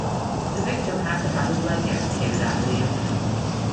The victim had to have his leg amputated after the incident.